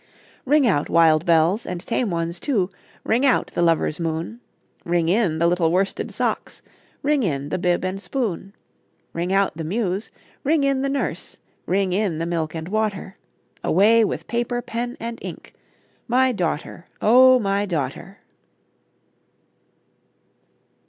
Ring out, wild bells, and tame ones too! Ring out the lover's moon! Ring in the little worsted socks! Ring in the bib and spoon! Ring out the muse! ring in the nurse! Ring in the milk and water! Away with paper, pen, and ink My daughter, O my daughter!